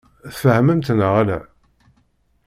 Tfehmemt neɣ ala?